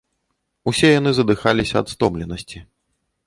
Усе яны задыхаліся ад стомленасці.